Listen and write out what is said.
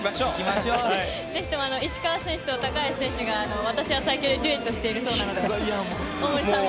ぜひとも石川選手と高橋選手が「私は最強」でデュエットしているそうなので。大森さんも。